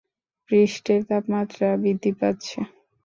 পৃষ্ঠের তাপমাত্রা বৃদ্ধি পাচ্ছে।